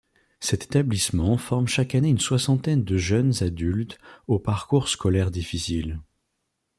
Cet établissement forme chaque année une soixantaine de jeunes adultes au parcours scolaire difficile.